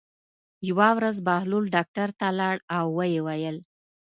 یوه ورځ بهلول ډاکټر ته لاړ او ویې ویل.